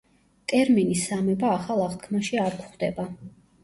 ტერმინი „სამება“ ახალ აღთქმაში არ გვხვდება.